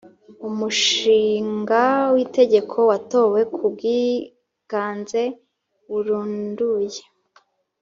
umushinga w’itegeko watowe ku bwiganze burunduye.